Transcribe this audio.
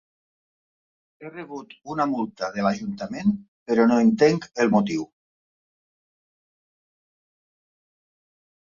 He rebut una multa de l'Ajuntament, però no entenc el motiu.